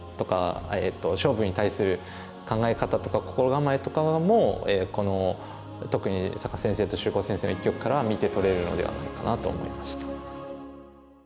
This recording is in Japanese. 勝負に対する考え方とか心構えとかも特に坂田先生と秀行先生の一局からは見て取れるのではないかなと思いました。